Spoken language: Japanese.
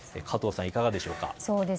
加藤さん、いかがでしょうか。